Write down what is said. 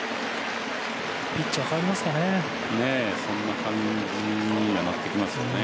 ピッチャー変わりますかね。